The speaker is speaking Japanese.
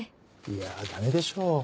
いやダメでしょう